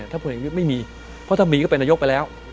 ถ้าผู้หญิงยุดไม่มีเพราะถ้ามีก็เป็นนายกไปแล้ว